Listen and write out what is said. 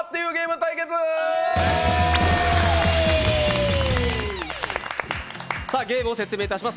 対決ゲームを説明いたします。